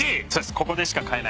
ここでしか買えない味。